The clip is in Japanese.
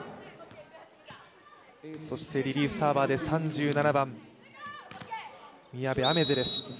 そしてリリーフサーバーで３７番、宮部愛芽世です。